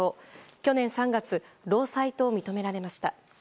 去年３月、労災と認められました。